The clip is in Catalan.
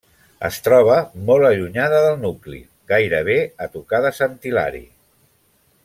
Es troba molt allunyada del nucli, gairebé a tocar de Sant Hilari.